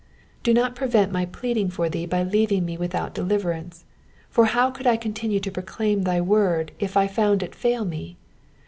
'*^ Do not prevent my pleading for thee by leaving me without deliverance ; for how could I continue to proclaim thy word if I found it fail me